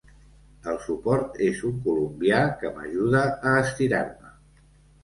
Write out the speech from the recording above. El suport és un colombià que m’ajuda a estirar-me.